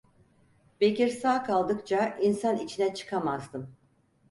Bekir sağ kaldıkça insan içine çıkamazdım.